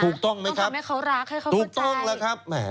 อย่างนั้นต้องทำให้เขารักให้เขาเข้าใจ